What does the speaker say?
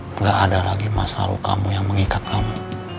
tidak ada lagi masa lalu kamu yang mengikat kamu